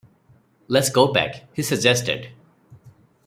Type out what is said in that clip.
"Let's go back," he suggested.